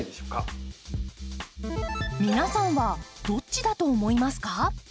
皆さんはどっちだと思いますか？